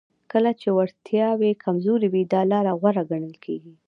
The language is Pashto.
کله چې وړتیاوې کمزورې وي دا لاره غوره ګڼل کیږي